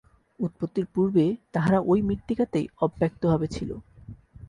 উৎপত্তির পূর্বে তাহারা ঐ মৃত্তিকাতেই অব্যক্তভাবে ছিল।